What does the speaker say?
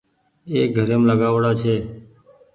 اي گھريم لآگآئو ڙآ ڇي